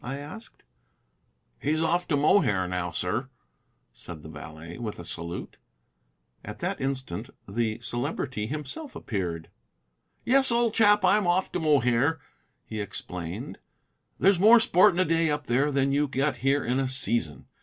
I asked. "He's off to Mohair now, sir," said the valet, with a salute. At that instant the Celebrity himself appeared. "Yes, old chap, I'm off to Mohair," he explained. "There's more sport in a day up there than you get here in a season.